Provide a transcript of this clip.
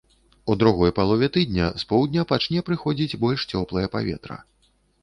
У другой палове тыдня з поўдня пачне прыходзіць больш цёплае паветра.